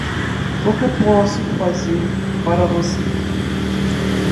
O que posso fazer para você?